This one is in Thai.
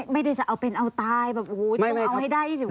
ไม่ได้จะเอาเป็นเอาตายแบบโอ้โหจะต้องเอาให้ได้๒๐กรัมใช่ไหม